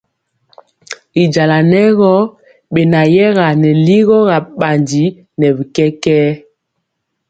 Y jala nɛ gɔ benayɛga nɛ ligɔ bandi nɛ bi kɛkɛɛ.